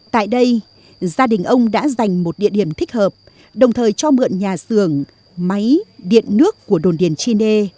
tại đây gia đình ông đã dành một địa điểm thích hợp đồng thời cho mượn nhà xưởng máy điện nước của đồn điền chi nê